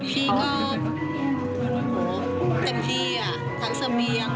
พี่เอ้าแต่พี่อะทั้งสมียง